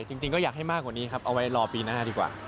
จริงก็อยากให้มากกว่านี้ครับเอาไว้รอปีหน้าดีกว่า